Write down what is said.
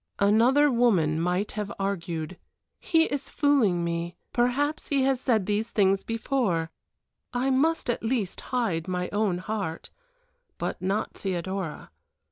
Another woman might have argued, "He is fooling me; perhaps he has said these things before I must at least hide my own heart," but not Theodora.